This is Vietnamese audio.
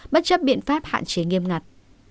bất chấp biện pháp hạn chế nghiêm ngặt